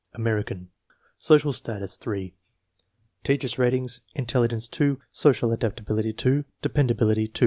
American, social status 3. Teacher's ratings: intelligence 2, social adaptability 2, de pendability 2.